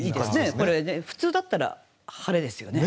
これね普通だったら晴れですよね。